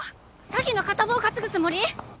詐欺の片棒担ぐつもり？